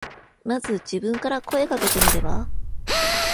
まず自分から声かけてみれば。